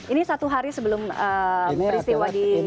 ini satu hari sebelum peristiwa di karawang ya